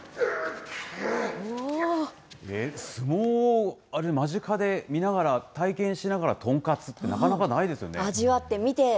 相撲、あれ、間近で見ながら、体験しながら豚カツって、なかなかないですよね。